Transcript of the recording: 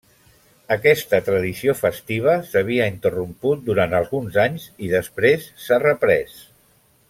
Aquesta tradició festiva s'havia interromput durant alguns anys, i després s'ha reprès.